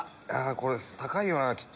これ高いよなきっと。